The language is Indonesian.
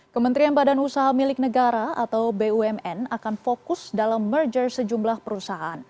kementerian badan usaha milik negara atau bumn akan fokus dalam merger sejumlah perusahaan